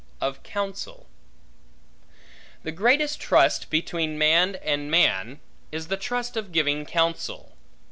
Of Counsel THE greatest trust, between man and man, is the trust of giving counsel.